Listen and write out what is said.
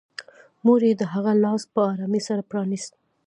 مور یې د هغه لاس په ارامۍ سره پرانيست